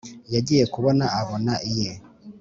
yagiye kubona abona iye